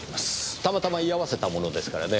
たまたま居合わせたものですからねえ。